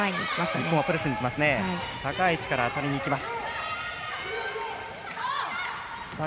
日本は高い位置から当たりに行きます。